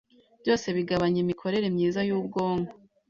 byose bigabanya imikorere myiza y’ubwonko